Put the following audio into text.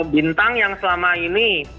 bintang yang selama ini